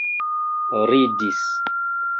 ridis